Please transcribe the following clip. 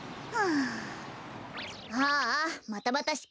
ああまたまたしっぱいね。